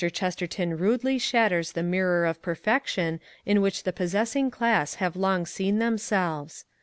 Chesterton rudely shatters the mirror of perfection in which the possessing class have long seen themselves.